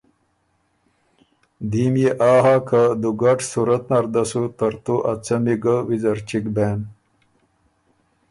دیم يې آ هۀ که دُوګډ صورت نر ده سُو ترتُو ا څمی ګۀ ویزر چِګ بېن